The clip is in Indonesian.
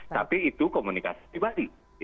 tapi itu komunikasi di bali